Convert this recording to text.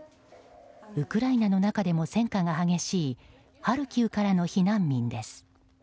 ウクライナの中でも戦火が激しいハルキウからの避難民です。